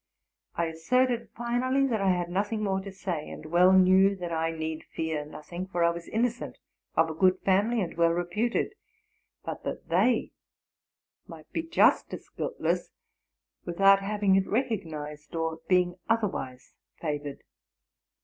I asserted, finally, that I had nothing more to say, and well knew that I need fear nothing, for T was innocent, of a good family, and well 176 'TRUTH AND FICTION reputed; but that they might be just as guiltless without having it recognized, or being otherwise favored.